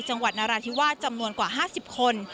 จังหวัดนาราธิวาสจำนวนกว่า๕๐คน